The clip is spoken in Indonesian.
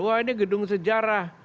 wah ini gedung sejarah